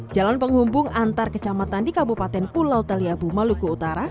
jalan penghubung antar kecamatan di kabupaten pulau taliabu maluku utara